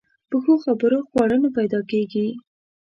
په ښو خبرو خواړه نه پیدا کېږي.